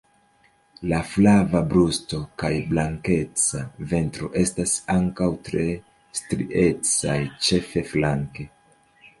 La flava brusto kaj blankeca ventro estas ankaŭ tre striecaj ĉefe flanke.